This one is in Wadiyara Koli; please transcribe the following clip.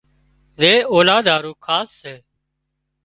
زي اولاد هارُو خاص سي